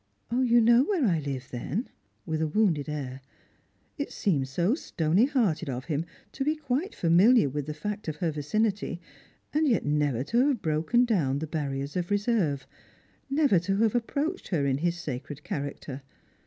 " You know where I hve, then ?" with a wounded air. It seemed so stony hearted of him to be quite familiar with the fact of her vicinity, and yet never to have brolceu down the barriers of reserve, never to have approached her in his sacred character.